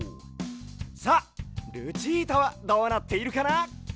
さあルチータはどうなっているかな？